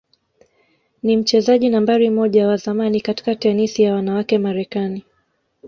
ni mchezaji nambari moja wa zamani katika tenisi ya wanawake Marekani